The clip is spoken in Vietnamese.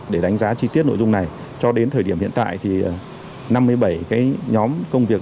để đánh giá chi tiết nội dung này cho đến thời điểm hiện tại thì năm mươi bảy cái nhóm công việc